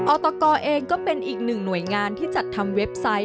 อตกเองก็เป็นอีกหนึ่งหน่วยงานที่จัดทำเว็บไซต์